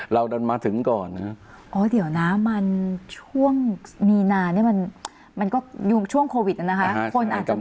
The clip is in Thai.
เราดันมาถึงก่อนนะฮะอ๋อเดี๋ยวนะมันช่วงมีนานเนี้ยมันมันก็อยู่ช่วงโควิดน่ะนะคะ